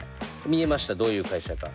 見えましたどういう会社か。